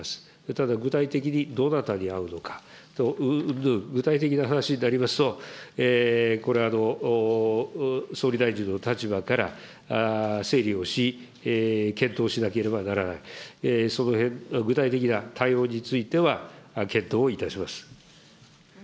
ただ、具体的にどなたに会うのか云々、具体的な話になりますと、これは総理大臣の立場から整理をし、検討しなければならない、具体的な対応については、検討をいたします。